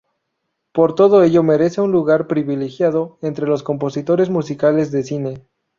Por todo ello merece un lugar privilegiado entre los compositores musicales de cine.